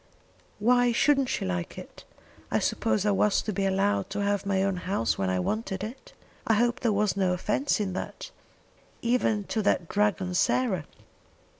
"Why shouldn't she like it? I suppose I was to be allowed to have my own house when I wanted it? I hope there was no offence in that, even to that dragon Sarah?